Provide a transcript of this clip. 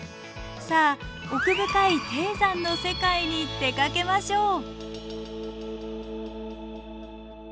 さあ奥深い低山の世界に出かけましょう。